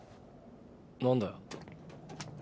何だよ。